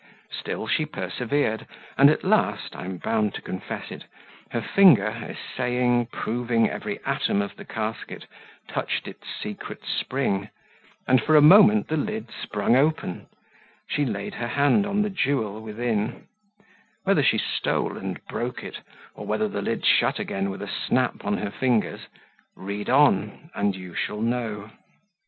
Still she persevered, and at last, I am bound to confess it, her finger, essaying, proving every atom of the casket, touched its secret spring, and for a moment the lid sprung open; she laid her hand on the jewel within; whether she stole and broke it, or whether the lid shut again with a snap on her fingers, read on, and you shall know.